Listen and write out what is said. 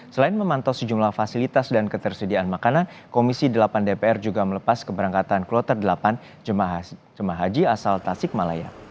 selain memantau sejumlah fasilitas dan ketersediaan makanan komisi delapan dpr juga melepas keberangkatan kloter delapan jemaah haji asal tasik malaya